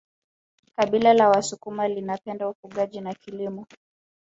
kabila la wasukuma linapenda ufugaji na kilimo